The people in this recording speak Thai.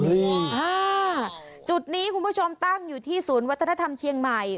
อ่าจุดนี้คุณผู้ชมตั้งอยู่ที่ศูนย์วัฒนธรรมเชียงใหม่